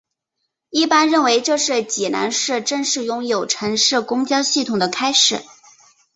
一般认为这是济南市正式拥有城市公交系统的开始。